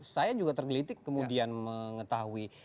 saya juga tergelitik kemudian mengetahui